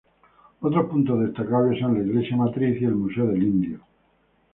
Otros puntos destacables son la Iglesia Matriz y el Museo del Indio.